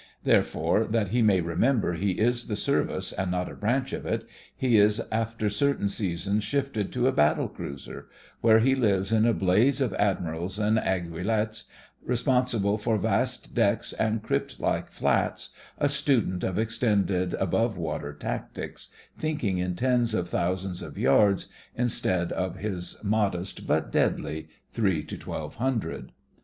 Therefore, that he may remember he is the Service and not a branch of it, he is after certain seasons shifted to a battle cruiser, where he lives in a blaze of admirals and aiguillettes, responsible for vast decks and crypt like fiats, a student of extended above water tactics, thinking in tens of thousands of THE FKINGES OF THE FLEET 73 yards instead of his modest but deadly three to twelve hundred.